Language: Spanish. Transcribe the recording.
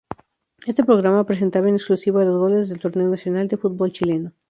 Este programa presentaba en exclusiva los goles del torneo nacional de fútbol chileno.